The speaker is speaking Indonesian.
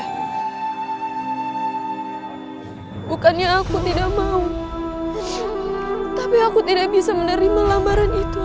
bukannya aku tidak mau tapi aku tidak bisa menerima lamaran itu